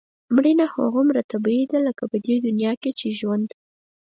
مړینه هغومره طبیعي ده لکه په دې دنیا کې چې ژوند.